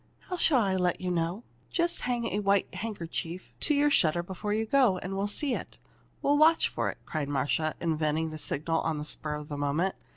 How shall I let you know?" "Just hang a white handkerchief to your shutter before you go, and we'll see it. We'll watch for it!" cried Marcia, inventing the signal on the spur of the moment.